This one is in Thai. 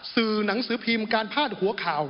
สื่อหนังสือพิมพ์การพาดหัวข่าว